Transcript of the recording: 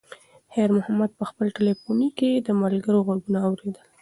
خیر محمد په خپل تلیفون کې د ملګرو غږونه اورېدل.